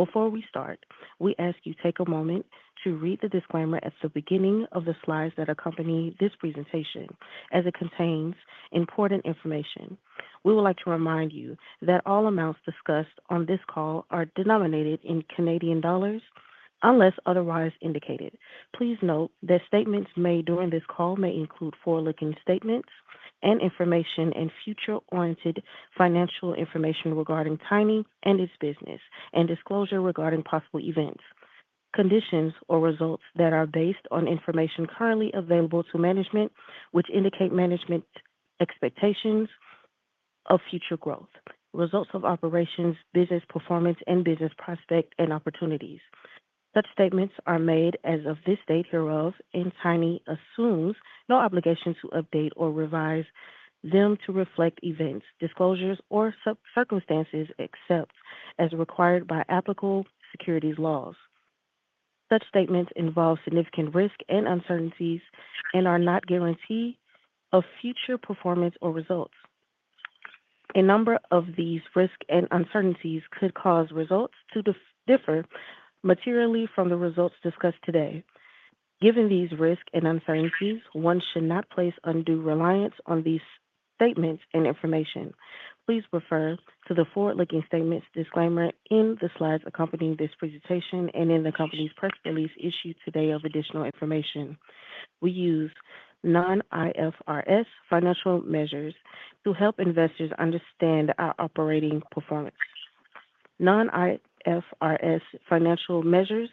Before we start, we ask you to take a moment to read the disclaimer at the beginning of the slides that accompany this presentation, as it contains important information. We would like to remind you that all amounts discussed on this call are denominated in CAD unless otherwise indicated. Please note that statements made during this call may include forward-looking statements and information and future-oriented financial information regarding Tiny and its business, and disclosure regarding possible events, conditions, or results that are based on information currently available to management, which indicate management expectations of future growth, results of operations, business performance, and business prospects and opportunities. Such statements are made as of this date hereof, and Tiny assumes no obligation to update or revise them to reflect events, disclosures, or circumstances except as required by applicable securities laws. Such statements involve significant risk and uncertainties and are not a guarantee of future performance or results. A number of these risks and uncertainties could cause results to differ materially from the results discussed today. Given these risks and uncertainties, one should not place undue reliance on these statements and information. Please refer to the forward-looking statements disclaimer in the slides accompanying this presentation and in the company's press release issued today for additional information. We use non-IFRS financial measures to help investors understand our operating performance. Non-IFRS financial measures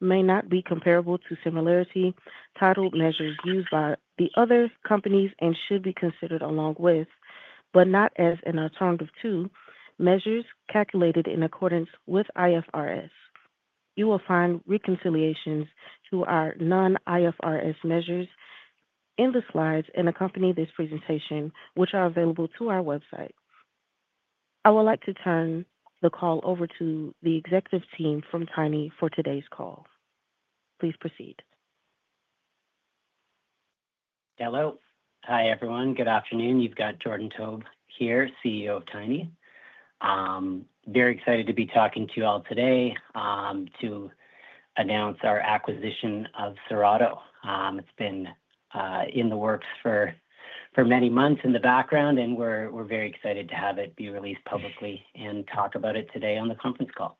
may not be comparable to similarly-titled measures used by other companies and should be considered along with, but not as an alternative to, measures calculated in accordance with IFRS. You will find reconciliations to our non-IFRS measures in the slides that accompany this presentation, which are available on our website. I would like to turn the call over to the executive team from Tiny for today's call. Please proceed. Hello. Hi, everyone. Good afternoon. You've got Jordan Taub here, CEO of Tiny. Very excited to be talking to you all today to announce our acquisition of Serato. It's been in the works for many months in the background, and we're very excited to have it be released publicly and talk about it today on the conference call.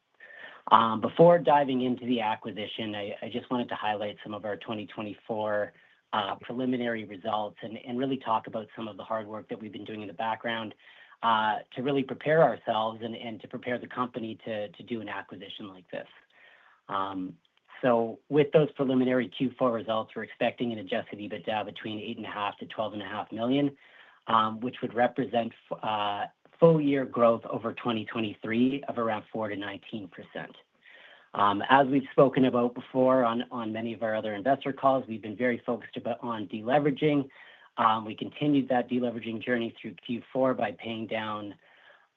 Before diving into the acquisition, I just wanted to highlight some of our 2024 preliminary results and really talk about some of the hard work that we've been doing in the background to really prepare ourselves and to prepare the company to do an acquisition like this. With those preliminary Q4 results, we're expecting an adjusted EBITDA between 8.5 million-12.5 million, which would represent full-year growth over 2023 of around 4%-19%. As we've spoken about before on many of our other investor calls, we've been very focused on deleveraging. We continued that deleveraging journey through Q4 by paying down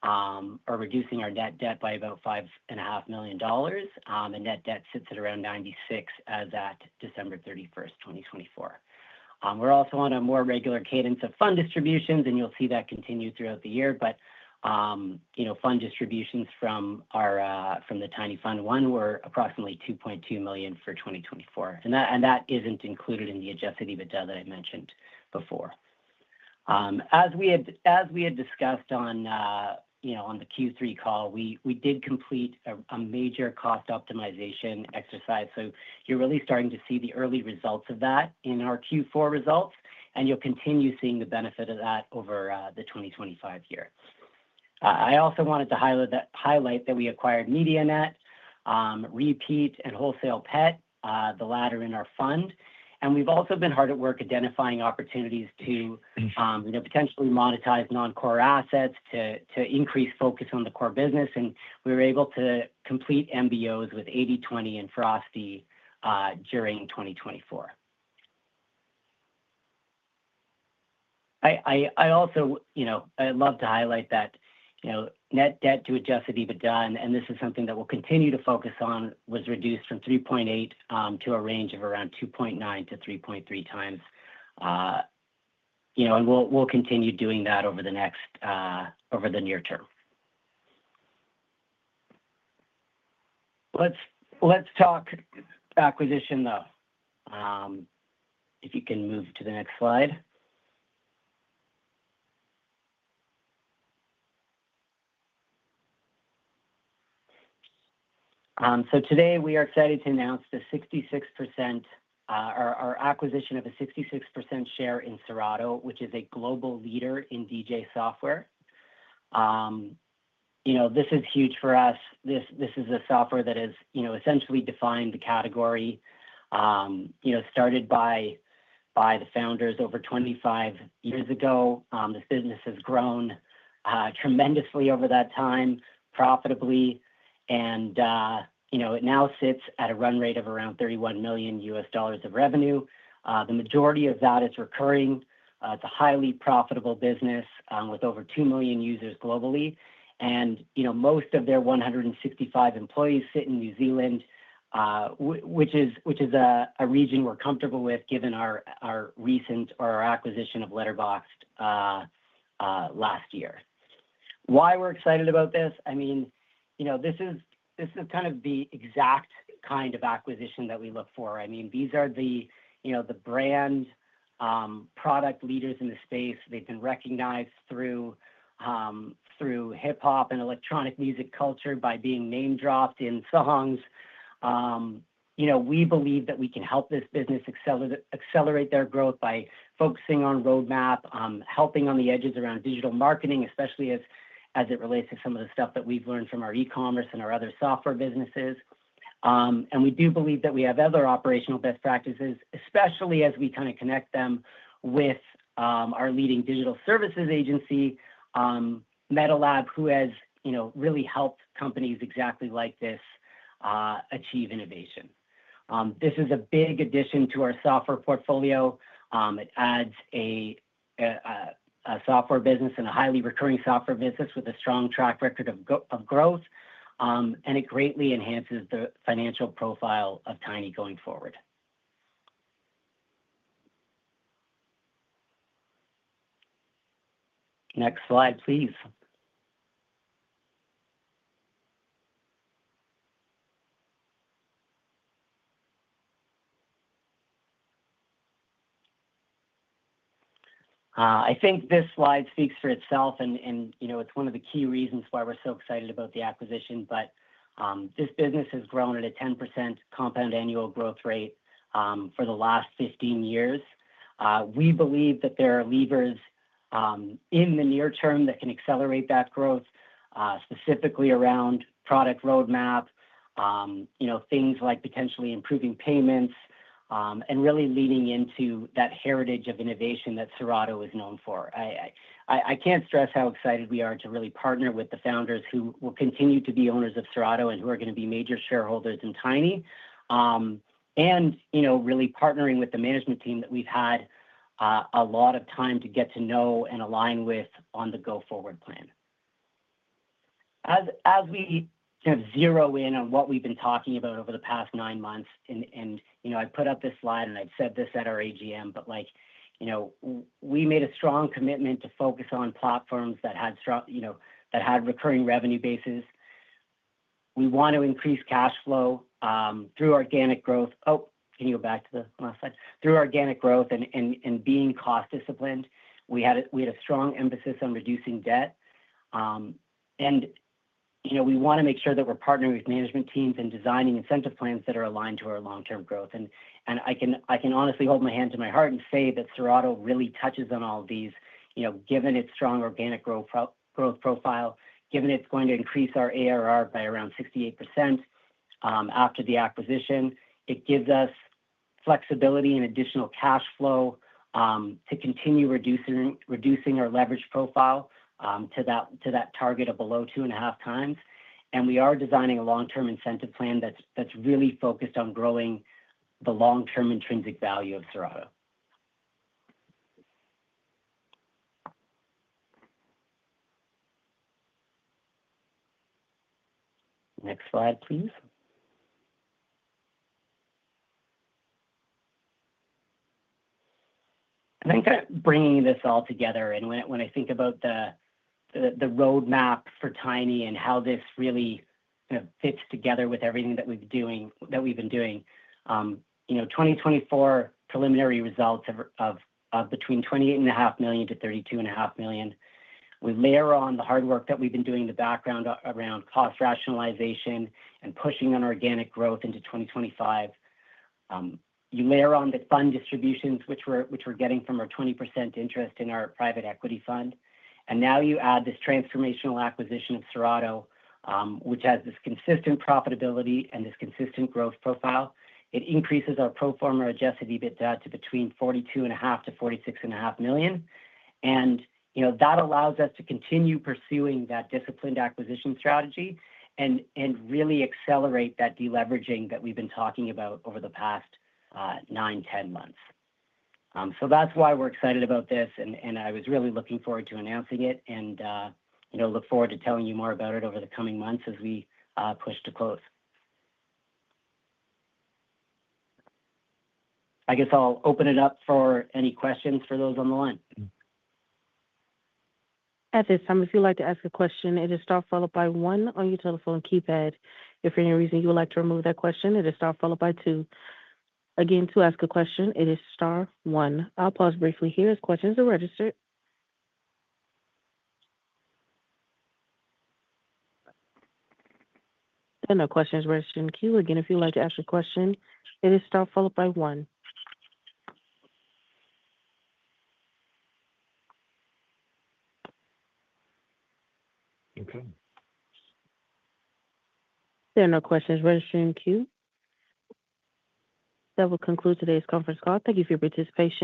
or reducing our net debt by about 5.5 million dollars. The net debt sits at around 96 million as at December 31, 2024. We're also on a more regular cadence of fund distributions, and you'll see that continue throughout the year. Fund distributions from the Tiny Fund I were approximately 2.2 million for 2024. That isn't included in the adjusted EBITDA that I mentioned before. As we had discussed on the Q3 call, we did complete a major cost optimization exercise. You're really starting to see the early results of that in our Q4 results, and you'll continue seeing the benefit of that over the 2025 year. I also wanted to highlight that we acquired MediaNet, Repeat, and Wholesale Pet, the latter in our fund. We have also been hard at work identifying opportunities to potentially monetize non-core assets to increase focus on the core business. We were able to complete MBOs with 8020 and Frosty during 2024. I'd love to highlight that net debt to adjusted EBITDA, and this is something that we'll continue to focus on, was reduced from 3.8 to a range of around 2.9-3.3 times. We will continue doing that over the near term. Let's talk acquisition, though. If you can move to the next slide. Today, we are excited to announce our acquisition of a 66% share in Serato, which is a global leader in DJ software. This is huge for us. This is a software that has essentially defined the category, started by the founders over 25 years ago. This business has grown tremendously over that time, profitably. It now sits at a run rate of around $31 million US dollars of revenue. The majority of that is recurring. It is a highly profitable business with over 2 million users globally. Most of their 165 employees sit in New Zealand, which is a region we're comfortable with given our recent acquisition of Letterboxd last year. Why we're excited about this? I mean, this is kind of the exact kind of acquisition that we look for. I mean, these are the brand product leaders in the space. They've been recognized through hip hop and electronic music culture by being name-dropped in songs. We believe that we can help this business accelerate their growth by focusing on roadmap, helping on the edges around digital marketing, especially as it relates to some of the stuff that we've learned from our e-commerce and our other software businesses. We do believe that we have other operational best practices, especially as we kind of connect them with our leading digital services agency, MetaLab, who has really helped companies exactly like this achieve innovation. This is a big addition to our software portfolio. It adds a software business and a highly recurring software business with a strong track record of growth, and it greatly enhances the financial profile of Tiny going forward. Next slide, please. I think this slide speaks for itself, and it's one of the key reasons why we're so excited about the acquisition. This business has grown at a 10% compound annual growth rate for the last 15 years. We believe that there are levers in the near term that can accelerate that growth, specifically around product roadmap, things like potentially improving payments, and really leaning into that heritage of innovation that Serato is known for. I can't stress how excited we are to really partner with the founders who will continue to be owners of Serato and who are going to be major shareholders in Tiny, and really partnering with the management team that we've had a lot of time to get to know and align with on the go-forward plan. As we kind of zero in on what we've been talking about over the past nine months, and I put up this slide, and I've said this at our AGM, we made a strong commitment to focus on platforms that had recurring revenue bases. We want to increase cash flow through organic growth. Oh, can you go back to the last slide? Through organic growth and being cost-disciplined. We had a strong emphasis on reducing debt. We want to make sure that we're partnering with management teams and designing incentive plans that are aligned to our long-term growth. I can honestly hold my hand to my heart and say that Serato really touches on all of these, given its strong organic growth profile, given it's going to increase our ARR by around 68% after the acquisition. It gives us flexibility and additional cash flow to continue reducing our leverage profile to that target of below 2.5 times. We are designing a long-term incentive plan that's really focused on growing the long-term intrinsic value of Serato. Next slide, please. I am kind of bringing this all together. When I think about the roadmap for Tiny and how this really kind of fits together with everything that we've been doing, 2024 preliminary results of between 28.5 million-32.5 million. We layer on the hard work that we've been doing in the background around cost rationalization and pushing on organic growth into 2025. You layer on the fund distributions, which we're getting from our 20% interest in our private equity fund. Now you add this transformational acquisition of Serato, which has this consistent profitability and this consistent growth profile. It increases our pro forma adjusted EBITDA to between 42.5 million-46.5 million. That allows us to continue pursuing that disciplined acquisition strategy and really accelerate that deleveraging that we've been talking about over the past nine, ten months. That's why we're excited about this. I was really looking forward to announcing it and look forward to telling you more about it over the coming months as we push to close. I guess I'll open it up for any questions for those on the line. At this time, if you'd like to ask a question, it is star followed by one on your telephone keypad. If for any reason you would like to remove that question, it is star followed by two. Again, to ask a question, it is star one. I'll pause briefly here as questions are registered. No questions registered in queue. Again, if you'd like to ask a question, it is star followed by one. Okay. There are no questions registered in queue. That will conclude today's conference call. Thank you for your participation.